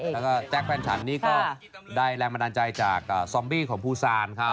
แล้วก็แจ๊คแฟนฉันนี่ก็ได้แรงบันดาลใจจากซอมบี้ของภูซานเขา